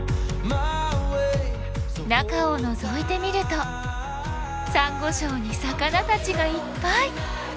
中をのぞいてみるとサンゴ礁に魚たちがいっぱい！